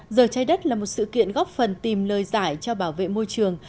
giờ trái đất là một sự kiện góp phần tìm lời giải cho bảo vệ môi trường